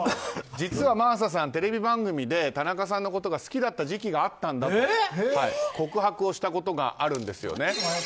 実は真麻さん、テレビ番組で田中さんのことが好きだった時期があったんだと告白したことがあるんですよね。